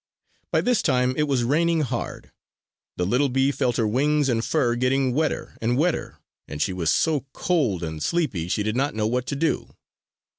By this time it was raining hard. The little bee felt her wings and fur getting wetter and wetter; and she was so cold and sleepy she did not know what to do.